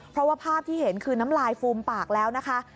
เพราะว่าภาพที่เห็นคือน้ำลายฟูมปากแล้วนะคะ